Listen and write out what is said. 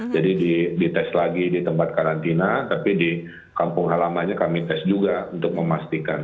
jadi dites lagi di tempat karantina tapi di kampung alamannya kami tes juga untuk memastikan